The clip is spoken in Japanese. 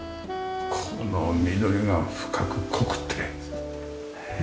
この緑が深く濃くてねえ。